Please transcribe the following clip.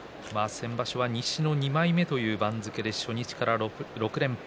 先場所は西の２枚目という番付で初日から６連敗。